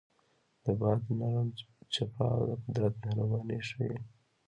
د باد نرم چپاو د قدرت مهرباني ښيي.